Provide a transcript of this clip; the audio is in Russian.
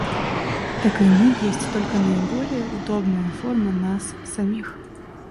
Так и мы есть только наиболее удобная форма нас самих.